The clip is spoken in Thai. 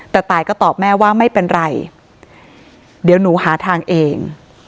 แต่ตายก็ตอบแม่ว่าไม่เป็นไรเดี๋ยวหนูหาทางเอง